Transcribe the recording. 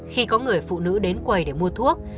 khi có người phụ nữ đến quầy để mua thuốc